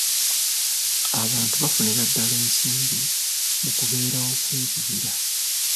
Abantu bafunira ddaala ensimbi mu kubeerawo kw'ebibira.